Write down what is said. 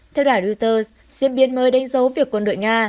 theo đài reuters diễn biến mới đánh dấu việc quân đội nga